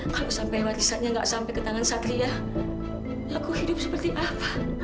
kalau sampai warisannya gak sampai ke tangan satria aku hidup seperti apa